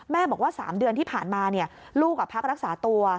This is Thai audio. บอกว่า๓เดือนที่ผ่านมาลูกพักรักษาตัว